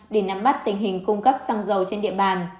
để nắm bắt tình hình cung cấp xăng dầu trên địa bàn